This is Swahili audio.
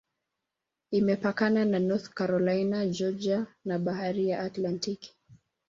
Imepakana na North Carolina, Georgia na Bahari ya Atlantiki.